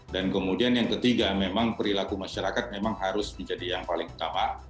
dan kemudian yang ketiga memang perilaku masyarakat memang harus menjadi yang paling utama